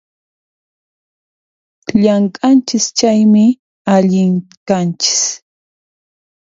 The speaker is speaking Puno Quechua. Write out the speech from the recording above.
Llamk'anchis chaymi, allin kanchis